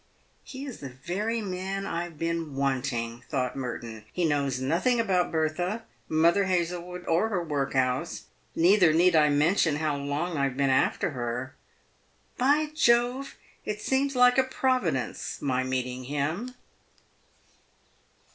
" He is the very man I have been wanting," thought Merton. " He knows nothing about Bertha, Mother Hazlewood, or her workhouse, neither need I mention how long I have been after her. By Jove ! it seems like a providence, my meeting him."